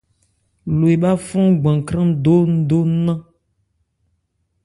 Lo ebhá fɔ́n gbakhrân ndóndó nnán.